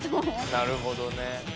なるほどね。